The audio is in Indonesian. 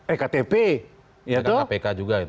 ya kan kpk juga itu